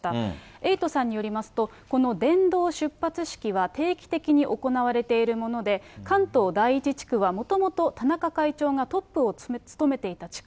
エイトさんによりますと、この伝道出発式は定期的に行われているもので、関東第１地区は、もともと田中会長がトップを務めていた地区。